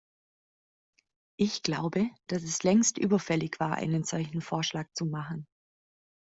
Ich glaube, dass es längst überfällig war, einen solchen Vorschlag zu machen.